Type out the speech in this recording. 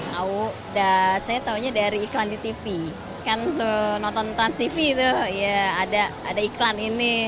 tahu udah saya taunya dari iklan di tv kan se noton trans tv itu ya ada ada iklan ini